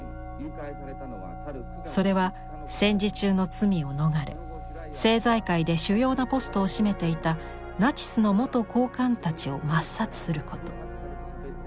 それは戦時中の罪を逃れ政財界で主要なポストを占めていたナチスの元高官たちを抹殺すること。